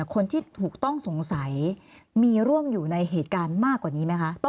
คนที่ถูกต้องสงสัยมีร่วมอยู่ในเหตุการณ์มากกว่านี้ไหมคะ